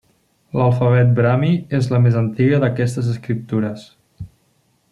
L'alfabet brahmi és la més antiga d'aquestes escriptures.